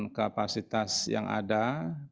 ya tentu dengan kapasitas yang ada yang ada di pasar